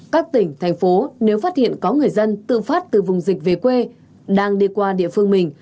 các tỉnh thành phố nếu phát hiện có người dân tự phát từ vùng dịch về quê đang đi qua địa phương mình